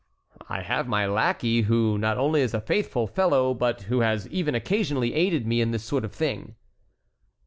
"I have my lackey, who not only is a faithful fellow, but who has even occasionally aided me in this sort of thing."